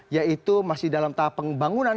yaitu masih dalam tahap pembangunan